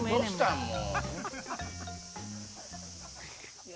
もう！